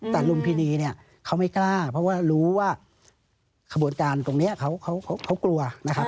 แต่รุมพินีเขาไม่กล้าเพราะว่ารู้ว่าขบวนการตรงนี้เขากลัว